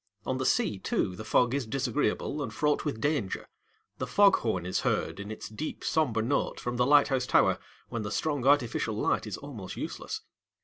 On the sea, too, the fog is disagreeable and fraught with danger. The fog horn is heard, in its deep, sombre note, from the lighthouse tower, when the strong artificial light is almost useless.